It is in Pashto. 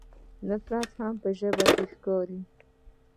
نفرت هم په ژبه کې ښکاري.